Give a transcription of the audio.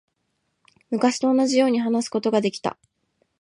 昔と同じように話すことができた。